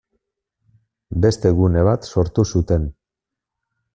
Beste gune bat sortu zuten.